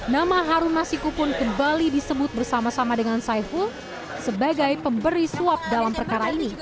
nama harun masiku pun kembali disebut bersama sama dengan saiful sebagai pemberi suap dalam perkara ini